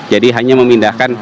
jadi hanya memindahkan